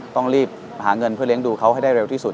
ต้องรีบหาเงินเพื่อเลี้ยงดูเขาให้ได้เร็วที่สุด